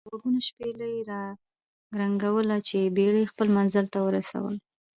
دغوږونو شپېلۍ را کرنګوله چې بېړۍ خپل منزل ته ورسول.